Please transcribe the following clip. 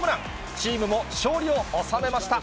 チームも勝利を収めました。